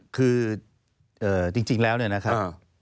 คือจริงแล้วเนี่ยนะครับ